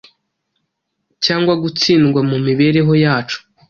cyangwa gutsindwa mu mibereho yacu